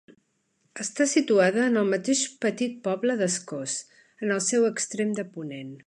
Està situada en el mateix petit poble d'Escós, en el seu extrem de ponent.